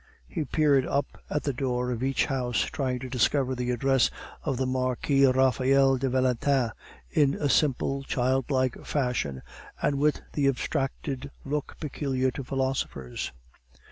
He peered up at the door of each house, trying to discover the address of the Marquis Raphael de Valentin, in a simple, childlike fashion, and with the abstracted look peculiar to philosophers.